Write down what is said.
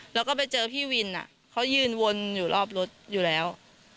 แล้วก็ไปเจอพี่วินเขายืนวนอยู่รอบรถอยู่แล้ว